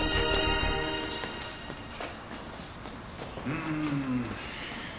うん。